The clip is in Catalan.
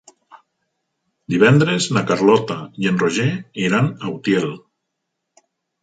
Divendres na Carlota i en Roger iran a Utiel.